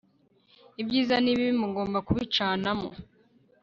Ibyiza nibibi mugomba kubicanamo